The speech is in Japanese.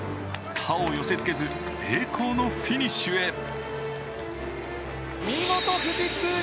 他を寄せつけず栄光のフィニッシュへ。